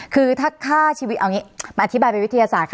คือถ้าฆ่าชีวิตเอาอย่างนี้มาอธิบายเป็นวิทยาศาสตร์ค่ะ